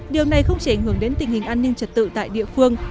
điều này không chỉ ảnh hưởng đến tình hình an ninh trật tự tại địa phương